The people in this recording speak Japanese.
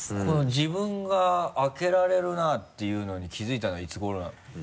自分が開けられるなっていうのに気づいたのはいつ頃なの？